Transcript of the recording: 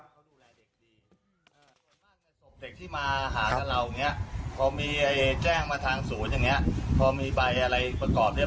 ส่วนมากจะส่งเด็กที่มาหาเราอย่างเงี้ยพอมีแจ้งมาทางศูนย์อย่างเงี้ย